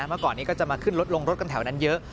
เมื่อก่อนนี้ก็จะมาขึ้นรถลงรถกันแถวนั้นเยอะ